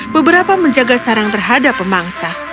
beberapa menjaga sarang terhadap pemangsa